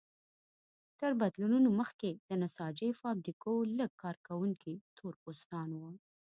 تر بدلونونو مخکې د نساجۍ فابریکو لږ کارکوونکي تور پوستان وو.